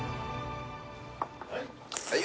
はい！